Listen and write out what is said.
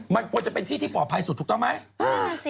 มันควรจะเป็นที่ที่ปลอดภัยสุดถูกต้องไหม